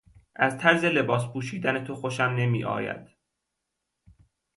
از طرز لباس پوشیدن تو خوشم نمیآید.